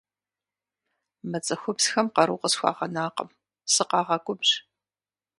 Мы цӏыхубзхэм къару къысхуагъэнакъым, сыкъагъэгубжь.